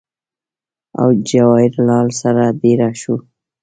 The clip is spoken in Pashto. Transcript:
او جواهر لال سره دېره شو